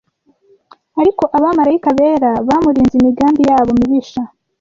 ariko Abamalayika bera bamurinze imigambi yabo mibisha